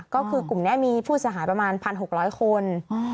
ก็คือกลุ่มนี้มีผู้สหายประมาณพันโหกร้อยคน